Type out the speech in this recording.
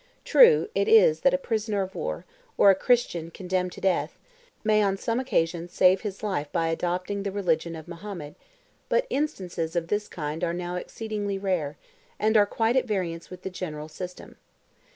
True it is that a prisoner of war, or a Christian condemned to death, may on some occasions save his life by adopting the religion of Mahomet, but instances of this kind are now exceedingly rare, and are quite at variance with the general system.